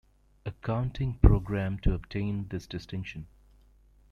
Accounting programme to obtain this distinction.